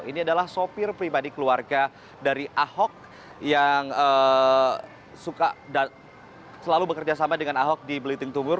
ini adalah sopir pribadi keluarga dari ahok yang selalu bekerjasama dengan ahok di belitung timur